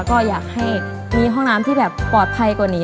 ก็อยากให้มีห้องน้ำที่แบบปลอดภัยกว่านี้